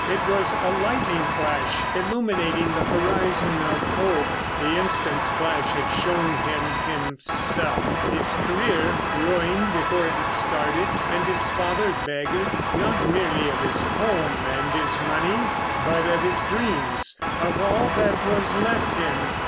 It was a lightning flash; illuminating the horizon of Hope. The instant's flash had shown him himself, his career ruined before it had started, and his father beggared—not merely of his home and his money, but of his dreams: of all that was left him.